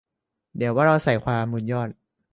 เดี๋ยวว่าเราใส่ความ บุญยอด